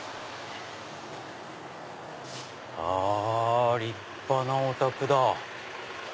あ立派なお宅だ。